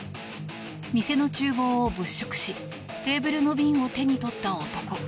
店の厨房を物色しテーブルの瓶を手に取った男。